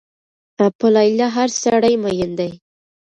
په لیلا هر سړی مين دی